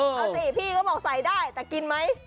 เอาสิพี่ก็บอกใส่ได้แต่กินไหม